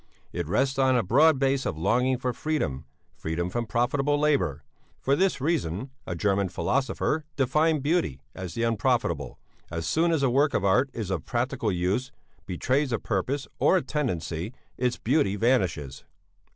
It rests on a broad base of longing for freedom, freedom from profitable labour; for this reason a German philosopher defined Beauty as the Unprofitable; as soon as a work of art is of practical use, betrays a purpose or a tendency its beauty vanishes.